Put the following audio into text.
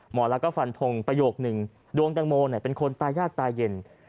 ลักษ์ฟันทงประโยคนึงดวงแตงโมเป็นคนตายากตาเย็น